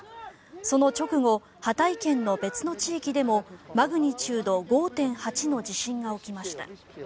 その直後ハタイ県の別の地域でもマグニチュード５．８の地震が起きました。